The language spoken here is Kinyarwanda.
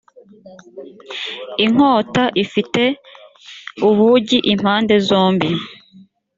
inkota ifite ubugi impande zombi